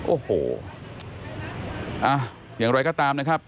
โอ้โหอย่างไรก็ตามนะครับ